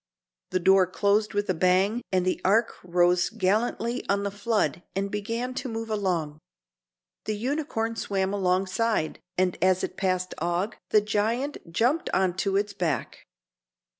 The door closed with a bang, and the Ark rose gallantly on the flood and began to move along. The unicorn swam alongside, and as it passed Og, the giant jumped on to its back.